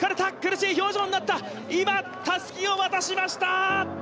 今、たすきを渡しました。